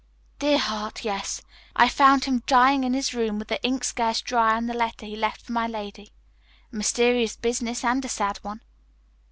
"Dear heart, yes; I found him dying in this room with the ink scarce dry on the letter he left for my lady. A mysterious business and a sad one."